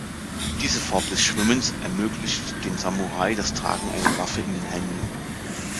Diese Form des Schwimmens ermöglicht den Samurai das Tragen einer Waffe in den Händen.